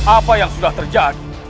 apa yang primitifnya